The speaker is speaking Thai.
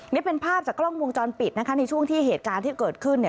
นี่เป็นภาพจากกล้องวงจรปิดนะคะในช่วงที่เหตุการณ์ที่เกิดขึ้นเนี่ย